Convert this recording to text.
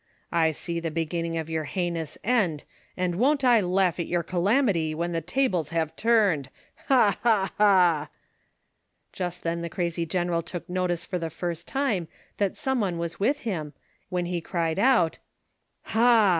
I see the beginning of your heinous end, and won't I laugh at your calamity when the tables have turned ! Ha ! ha !! ha !!!" Just then the crazy general took notice for the first time that some one was with him, when he cried out : "Ha a a!